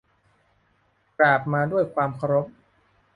กราบมาด้วยความเคารพ